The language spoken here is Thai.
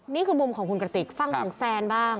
นี่คือมุมของคุณกระติกฟังถึงแซนบ้าง